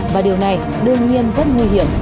và điều này đương nhiên rất nguy hiểm